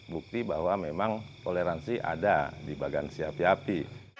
bukti bahwa memang toleransi ada di bagansi api api